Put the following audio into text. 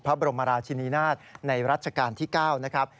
พระบรมราชินินาศในรัชกาลที่๙นะครับ